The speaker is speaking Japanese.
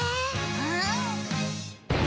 うん。